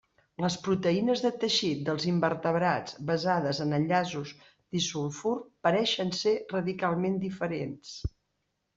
Les proteïnes de teixit dels invertebrats basades en enllaços disulfur pareixen ser radicalment diferents.